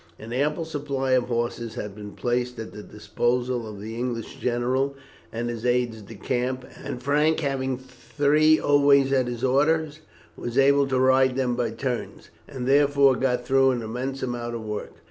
An ample supply of horses had been placed at the disposal of the English general and his aides de camp, and Frank, having three always at his orders, was able to ride them by turns, and therefore got through an immense amount of work.